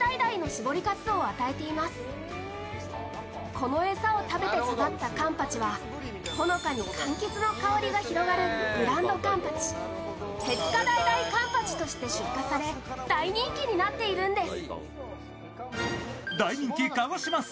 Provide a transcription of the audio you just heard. この餌を食べて育ったカンパチはほのかにかんきつの香りが広がるブランドカンパチ、辺塚だいだいカンパチとして出荷され大人気となっているんです。